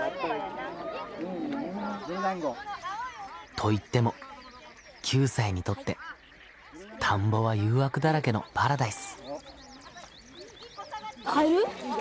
といっても９歳にとって田んぼは誘惑だらけのパラダイス。